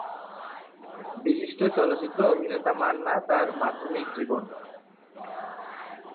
বিশিষ্ট চলচ্চিত্র অভিনেতা মান্না তার মাধ্যমিক জীবন।